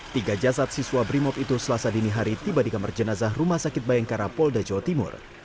tiga jasad siswa brimob itu selasa dini hari tiba di kamar jenazah rumah sakit bayangkara polda jawa timur